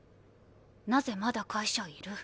なぜまだ会社いる？